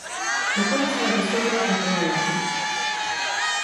Nakonec ale postoupila kapela Lordi.